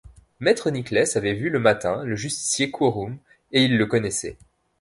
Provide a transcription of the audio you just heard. Maître Nicless avait vu le matin le justicier-quorum, et il le connaissait.